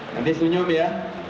nanti senyum ya